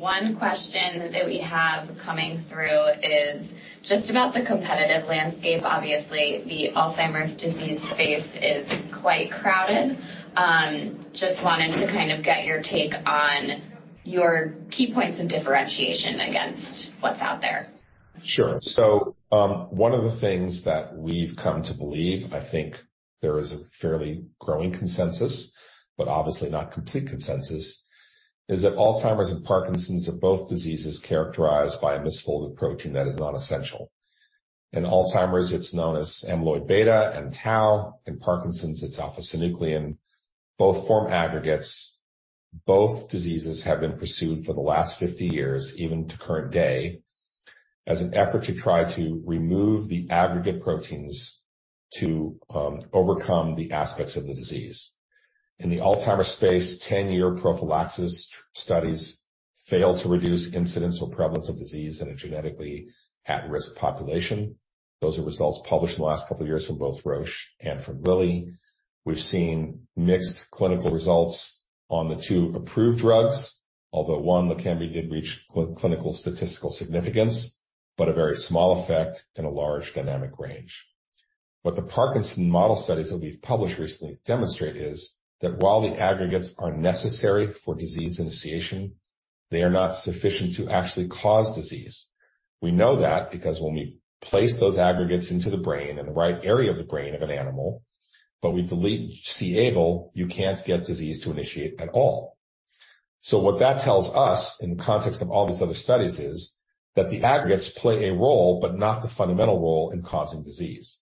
One question that we have coming through is just about the competitive landscape. Obviously, the Alzheimer's disease space is quite crowded. Just wanted to kind of get your take on your key points of differentiation against what's out there. Sure. One of the things that we've come to believe, I think there is a fairly growing consensus, but obviously not complete consensus, is that Alzheimer's and Parkinson's are both diseases characterized by a misfolded protein that is non-essential. In Alzheimer's, it's known as amyloid beta and tau. In Parkinson's, it's alpha-synuclein. Both form aggregates. Both diseases have been pursued for the last 50 years, even to current day, as an effort to try to remove the aggregate proteins to overcome the aspects of the disease. In the Alzheimer's space, 10-year prophylaxis studies failed to reduce incidence or prevalence of disease in a genetically at-risk population. Those are results published in the last couple of years from both Roche and from Lilly. We've seen mixed clinical results on the two approved drugs. One, Leqembi, did reach clinical statistical significance, but a very small effect and a large dynamic range. What the Parkinson's model studies that we've published recently demonstrate is that while the aggregates are necessary for disease initiation, they are not sufficient to actually cause disease. We know that because when we place those aggregates into the brain, in the right area of the brain of an animal, but we delete c-Abl, you can't get disease to initiate at all. What that tells us, in the context of all these other studies, is that the aggregates play a role, but not the fundamental role in causing disease.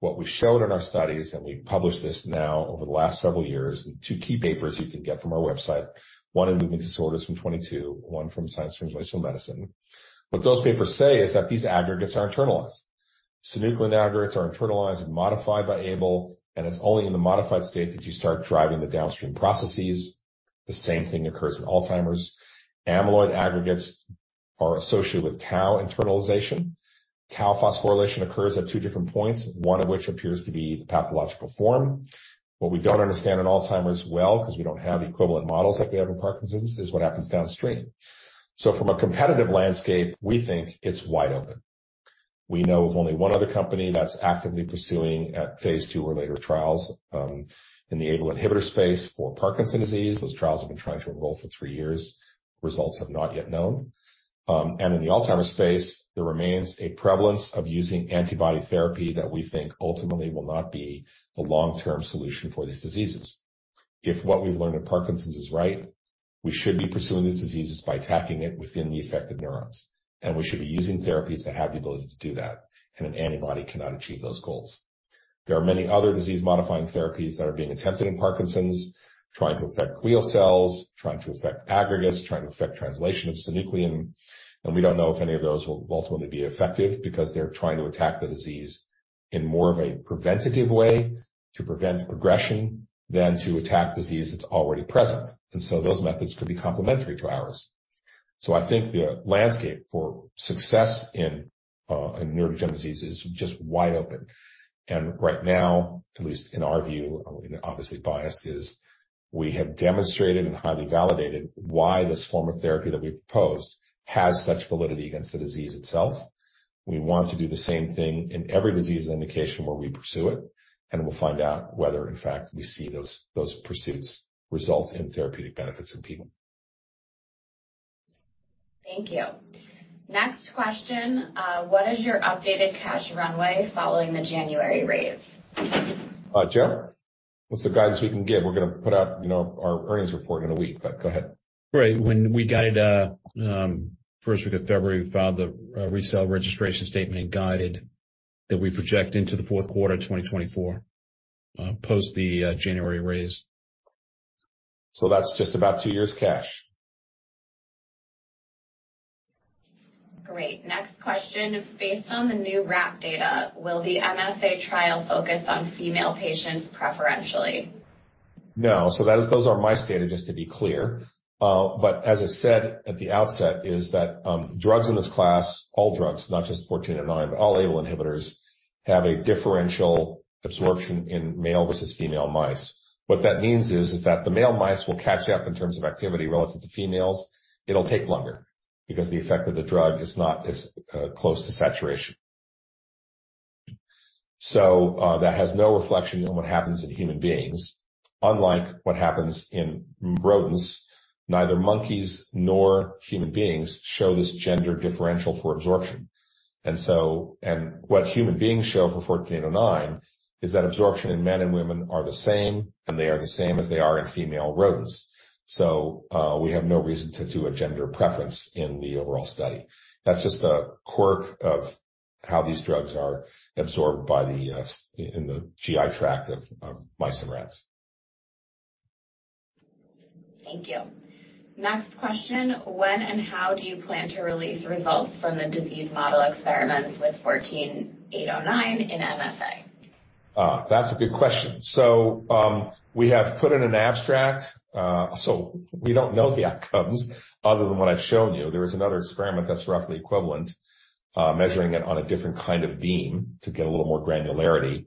What we showed in our studies, and we published this now over the last several years, in two key papers you can get from our website, one in Movement Disorders from 2022, one from Science Translational Medicine. What those papers say is that these aggregates are internalized. Synuclein aggregates are internalized and modified by c-Abl, and it's only in the modified state that you start driving the downstream processes. The same thing occurs in Alzheimer's. Amyloid aggregates are associated with tau internalization. Tau phosphorylation occurs at two different points, one of which appears to be the pathological form. From a competitive landscape, we think it's wide open. We know of only one other company that's actively pursuing at Phase II or later trials in the c-Abl inhibitor space for Parkinson's disease. Those trials have been trying to enroll for three years. Results have not yet known. In the Alzheimer's space, there remains a prevalence of using antibody therapy that we think ultimately will not be the long-term solution for these diseases. If what we've learned in Parkinson's is right, we should be pursuing these diseases by attacking it within the affected neurons, and we should be using therapies that have the ability to do that, and an antibody cannot achieve those goals. There are many other disease-modifying therapies that are being attempted in Parkinson's, trying to affect glial cells, trying to affect aggregates, trying to affect translation of synuclein, and we don't know if any of those will ultimately be effective because they're trying to attack the disease in more of a preventative way to prevent progression than to attack disease that's already present. Those methods could be complementary to ours. I think the landscape for success in neurodegenerative disease is just wide open. Right now, at least in our view, and obviously biased, is we have demonstrated and highly validated why this form of therapy that we've proposed has such validity against the disease itself. We want to do the same thing in every disease indication where we pursue it, and we'll find out whether in fact we see those pursuits result in therapeutic benefits in people. Thank you. Next question. What is your updated cash runway following the January raise? Joe, what's the guidance we can give? We're gonna put out, you know, our earnings report in a week. Go ahead. Right. When we guided, first week of February, we filed the resale registration statement and guided that we project into the fourth quarter of 2024, post the January raise. That's just about two years cash. Great. Next question. Based on the new RAMP data, will the MSA trial focus on female patients preferentially? No. Those are my data, just to be clear. As I said at the outset, is that drugs in this class, all drugs, not just 1409, but all Abl inhibitors, have a differential absorption in male versus female mice. What that means is that the male mice will catch up in terms of activity relative to females. It'll take longer because the effect of the drug is not as close to saturation. That has no reflection on what happens in human beings. Unlike what happens in rodents, neither monkeys nor human beings show this gender differential for absorption. What human beings show for 1409 is that absorption in men and women are the same, and they are the same as they are in female rodents. We have no reason to do a gender preference in the overall study. That's just a quirk of how these drugs are absorbed by the GI tract of mice and rats. Thank you. Next question. When and how do you plan to release results from the disease model experiments with IkT-148009 in MSA? That's a good question. we have put in an abstract, so we don't know the outcomes other than what I've shown you. There is another experiment that's roughly equivalent, measuring it on a different kind of beam to get a little more granularity.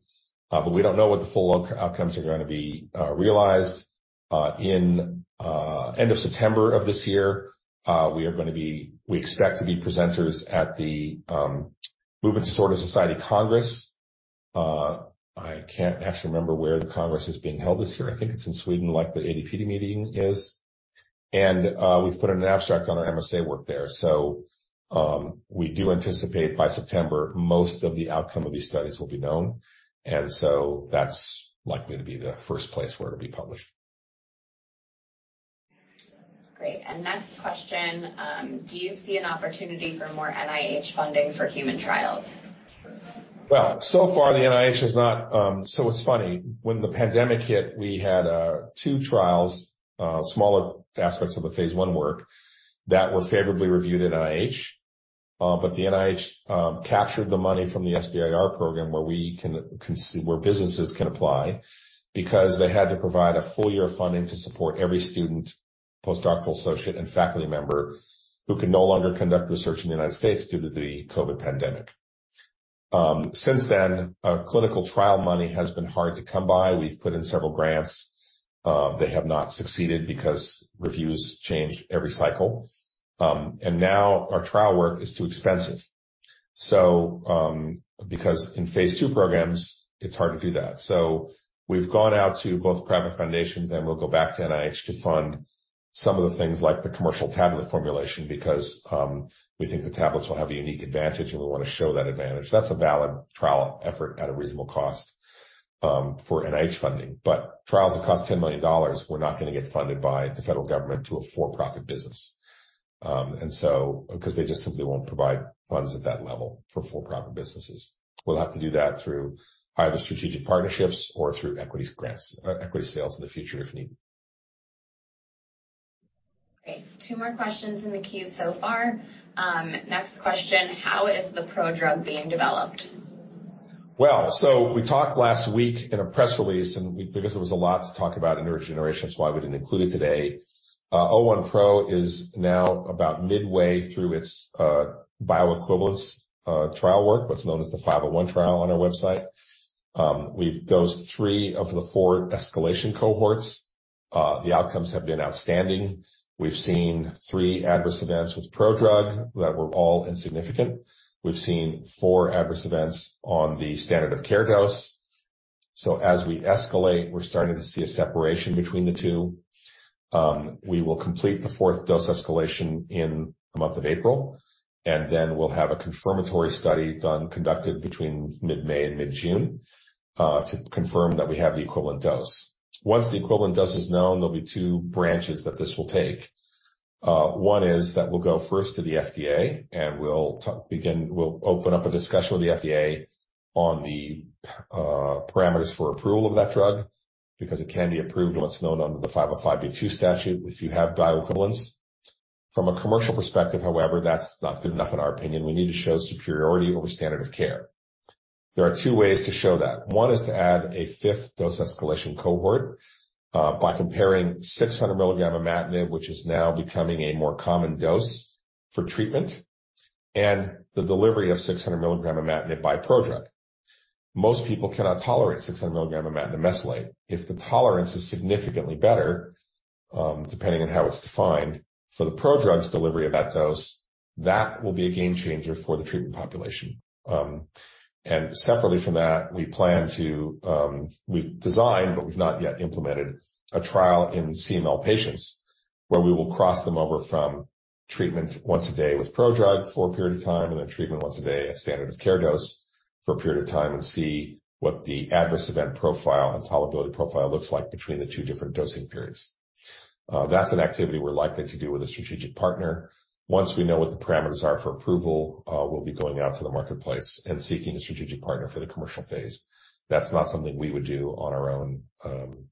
we don't know what the full outcomes are gonna be realized. In end of September of this year, we expect to be presenters at the Movement Disorder Society Congress. I can't actually remember where the Congress is being held this year. I think it's in Sweden, like the ADPD meeting is. we've put an abstract on our MSA work there. We do anticipate by September, most of the outcome of these studies will be known, and so that's likely to be the first place where it'll be published. Great. Next question, do you see an opportunity for more NIH funding for human trials? Well, so far, the NIH has not. It's funny. When the pandemic hit, we had two trials, smaller aspects of the phase one work that were favorably reviewed at NIH. The NIH captured the money from the SBIR program where businesses can apply because they had to provide a full year of funding to support every student, postdoctoral associate, and faculty member who could no longer conduct research in the United States due to the COVID pandemic. Since then, clinical trial money has been hard to come by. We've put in several grants that have not succeeded because reviews change every cycle. Now our trial work is too expensive. Because in Phase II programs, it's hard to do that. We've gone out to both private foundations, and we'll go back to NIH to fund some of the things like the commercial tablet formulation because, we think the tablets will have a unique advantage, and we wanna show that advantage. That's a valid trial effort at a reasonable cost, for NIH funding. Trials that cost $10 million, we're not gonna get funded by the federal government to a for-profit business. Because they just simply won't provide funds at that level for for-profit businesses. We'll have to do that through either strategic partnerships or through equity grants, equity sales in the future if needed. Okay, two more questions in the queue so far. Next question, how is the prodrug being developed? We talked last week in a press release, and because there was a lot to talk about in neurodegeneration, that's why we didn't include it today. IkT-001Pro is now about midway through its bioequivalence trial work, what's known as the 501 trial on our website. We've dosed three of the four escalation cohorts. The outcomes have been outstanding. We've seen three adverse events with prodrug that were all insignificant. We've seen three adverse events on the standard of care dose. As we escalate, we're starting to see a separation between the two. We will complete the 4th dose escalation in the month of April, and then we'll have a confirmatory study done, conducted between mid-May and mid-June, to confirm that we have the equivalent dose. Once the equivalent dose is known, there'll be two branches that this will take. One is that we'll go first to the FDA, and we'll open up a discussion with the FDA on the parameters for approval of that drug because it can be approved what's known under the 505(b)(2) statute if you have bioequivalence. From a commercial perspective, however, that's not good enough in our opinion. We need to show superiority over standard of care. There are two ways to show that. One is to add a fifth dose escalation cohort by comparing 600 milligram amantadine, which is now becoming a more common dose for treatment, and the delivery of 600 milligram amantadine by prodrug. Most people cannot tolerate 600 milligram amantadine mesylate. If the tolerance is significantly better, depending on how it's defined for the prodrug's delivery of that dose, that will be a game changer for the treatment population. Separately from that, we've designed, but we've not yet implemented a trial in CML patients where we will cross them over from treatment once a day with prodrug for a period of time, and then treatment once a day at standard of care dose for a period of time and see what the adverse event profile and tolerability profile looks like between the two different dosing periods. That's an activity we're likely to do with a strategic partner. Once we know what the parameters are for approval, we'll be going out to the marketplace and seeking a strategic partner for the commercial phase. That's not something we would do on our own,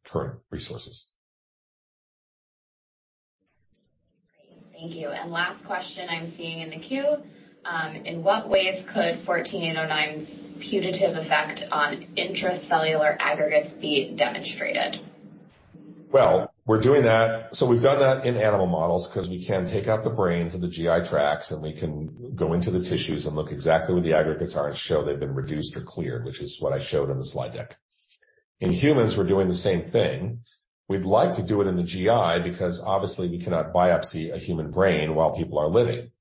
current resources. Great. Thank you. Last question I'm seeing in the queue, in what ways could 1409's putative effect on intracellular aggregates be demonstrated? We're doing that... we've done that in animal models 'cause we can take out the brains and the GI tracts, and we can go into the tissues and look exactly where the aggregates are and show they've been reduced or cleared, which is what I showed on the slide deck. In humans, we're doing the same thing. We'd like to do it in the GI because obviously we cannot biopsy a human brain while people are living.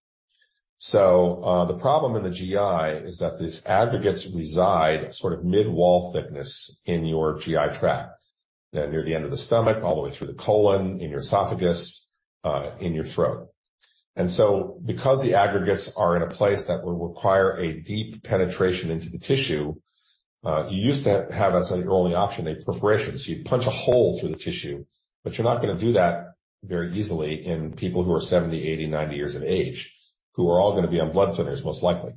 The problem in the GI is that these aggregates reside sort of mid-wall thickness in your GI tract, near the end of the stomach, all the way through the colon, in your esophagus, in your throat. Because the aggregates are in a place that would require a deep penetration into the tissue, you used to have as an only option a perforation. You'd punch a hole through the tissue, but you're not gonna do that very easily in people who are 70, 80, 90 years of age, who are all gonna be on blood thinners, most likely.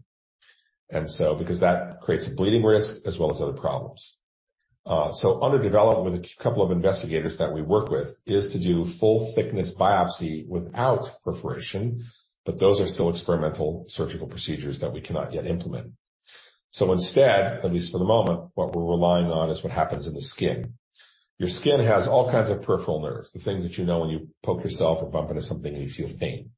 Because that creates a bleeding risk as well as other problems. Under development with a couple of investigators that we work with is to do full thickness biopsy without perforation, but those are still experimental surgical procedures that we cannot yet implement. Instead, at least for the moment, what we're relying on is what happens in the skin. Your skin has all kinds of peripheral nerves, the things that you know when you poke yourself or bump into something, and you feel pain.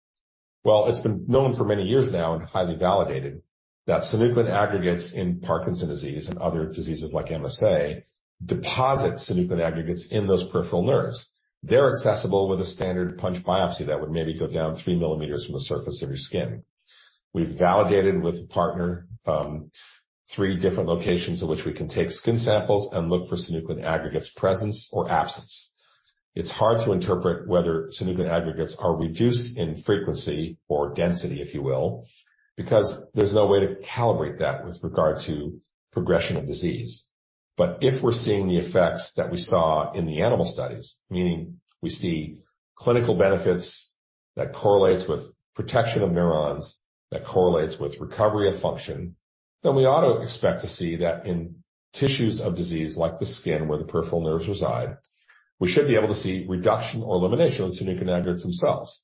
Well, it's been known for many years now and highly validated that synuclein aggregates in Parkinson's disease and other diseases like MSA deposit synuclein aggregates in those peripheral nerves. They're accessible with a standard punch biopsy that would maybe go down three millimeters from the surface of your skin. We've validated with a partner, three different locations in which we can take skin samples and look for synuclein aggregates presence or absence. It's hard to interpret whether synuclein aggregates are reduced in frequency or density, if you will, because there's no way to calibrate that with regard to progression of disease. If we're seeing the effects that we saw in the animal studies, meaning we see clinical benefits that correlates with protection of neurons, that correlates with recovery of function, then we ought to expect to see that in tissues of disease like the skin where the peripheral nerves reside, we should be able to see reduction or elimination of synuclein aggregates themselves.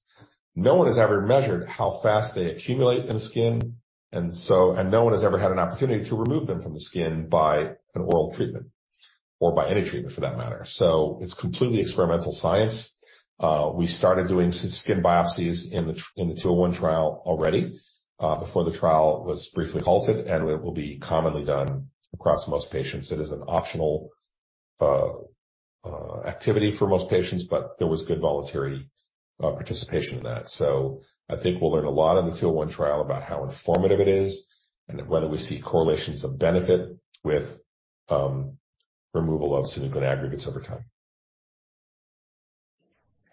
No one has ever measured how fast they accumulate in the skin, and no one has ever had an opportunity to remove them from the skin by an oral treatment or by any treatment for that matter. It's completely experimental science. We started doing skin biopsies in the 201 trial already, before the trial was briefly halted, and it will be commonly done across most patients. It is an optional activity for most patients, but there was good voluntary participation in that. I think we'll learn a lot in the 201 trial about how informative it is and whether we see correlations of benefit with removal of synuclein aggregates over time.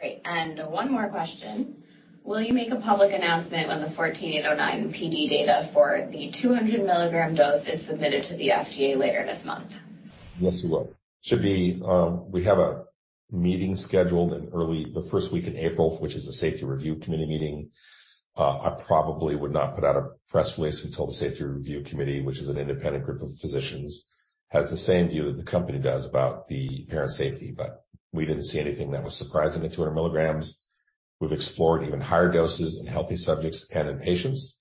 Great. One more question. Will you make a public announcement when the 148009 PD data for the 200 milligram dose is submitted to the FDA later this month? Yes, we will. Should be, We have a meeting scheduled in the first week in April, which is a safety review committee meeting. I probably would not put out a press release until the safety review committee, which is an independent group of physicians, has the same view that the company does about the parent safety. We didn't see anything that was surprising at 200 milligrams. We've explored even higher doses in healthy subjects and in patients.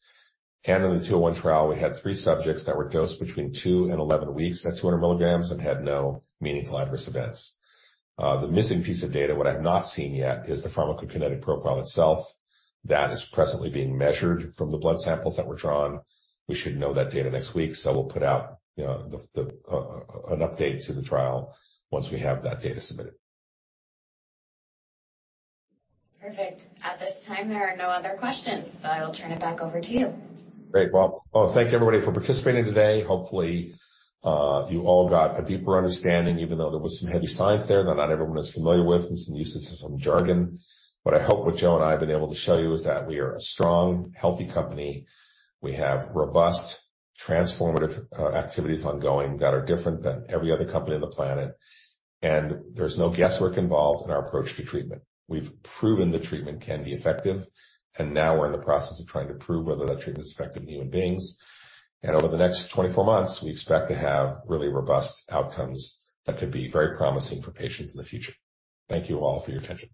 In the 201 trial, we had three subjects that were dosed between two and 11 weeks at 200 milligrams and had no meaningful adverse events. The missing piece of data, what I have not seen yet, is the pharmacokinetic profile itself. That is presently being measured from the blood samples that were drawn. We should know that data next week, so we'll put out an update to the trial once we have that data submitted. Perfect. At this time, there are no other questions. I will turn it back over to you. Great. Well, thank you everybody for participating today. Hopefully, you all got a deeper understanding even though there was some heavy science there that not everyone is familiar with and some usage of some jargon. What Joe and I have been able to show you is that we are a strong, healthy company. We have robust, transformative, activities ongoing that are different than every other company on the planet. There's no guesswork involved in our approach to treatment. We've proven the treatment can be effective, and now we're in the process of trying to prove whether that treatment is effective in human beings. Over the next 24 months, we expect to have really robust outcomes that could be very promising for patients in the future. Thank you all for your attention.